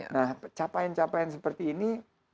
nah capaian capaian seperti ini